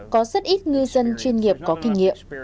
có rất ít ngư dân chuyên nghiệp có kinh nghiệm